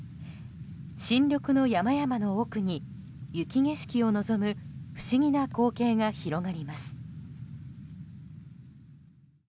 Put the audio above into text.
新緑の山々の奥に雪景色を望む不思議な光景が広がります。